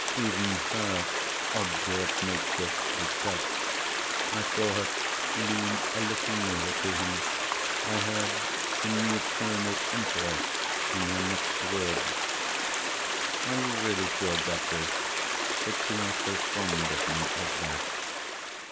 Even her obdurate nature was touched. I saw her lean a little nearer to him. I heard a new tone of interest in her next words. "Are you really sure, Godfrey, that you are so fond of me as that?"